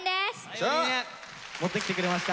持ってきてくれました。